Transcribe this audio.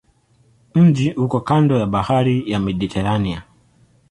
Mji uko kando ya bahari ya Mediteranea.